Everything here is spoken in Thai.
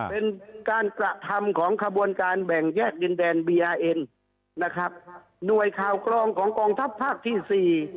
เป็นการกระทำของขบวนการแบ่งแยกดินแดนบีอาร์เอ็นนะครับหน่วยข่าวกรองของกองทัพภาคที่สี่